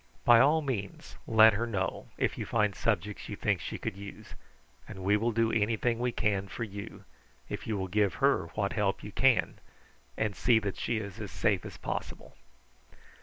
By all means let her know if you find subjects you think she could use, and we will do anything we can for you, if you will give her what help you can and see that she is as safe as possible."